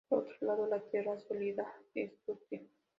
Por otro lado, la Tierra sólida es dúctil.